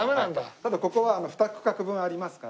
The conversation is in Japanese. ただここは２区画分ありますから。